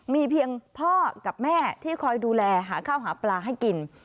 มีเพียงพ่อกับแม่ที่คอยดูแลหาข้าวหาปลาให้กิน